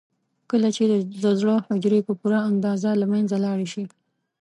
کله چې د زړه حجرې په پوره اندازه له منځه لاړې شي.